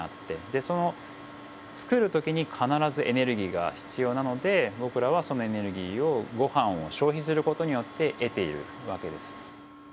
でそのつくる時に必ずエネルギーが必要なので僕らはそのエネルギーをごはんを消費する事によって得ている訳です。